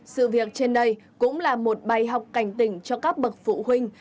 sự việc trên đây cũng là một bài học cảnh tỉnh cho các bậc phụ huynh